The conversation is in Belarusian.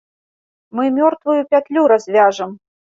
Мы мёртвую пятлю развяжам!